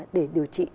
để điều trị